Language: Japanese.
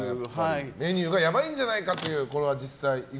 メニューがやばいんじゃないかと。